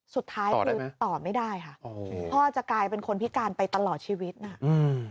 สุดท้ายคือต่อไม่ได้ค่ะพ่อจะกลายเป็นคนพิการไปตลอดชีวิตน่ะอืม